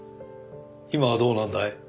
今はどうなんだい？